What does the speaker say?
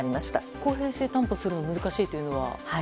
公平性を担保するのが難しいというのは？